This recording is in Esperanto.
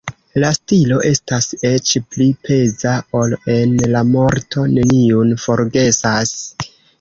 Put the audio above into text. La stilo estas eĉ pli peza ol en La morto neniun forgesas.